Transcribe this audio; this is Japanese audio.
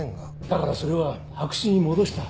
だからそれは白紙に戻した。